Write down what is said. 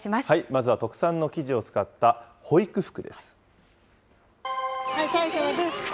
まずは特産の生地を使った保育服です。